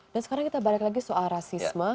dan sekarang kita balik lagi soal rasisme